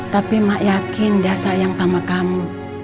tapi mak yakin dia sayang sama kamu